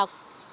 có mùi thum thủ